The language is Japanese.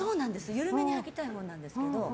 緩めに履きたいほうなんですけど。